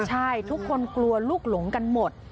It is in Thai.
ใช่ทุกคนกลัวลูกหลงกันหมด